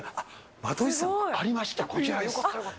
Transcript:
纏寿司さん、ありました、こちらです。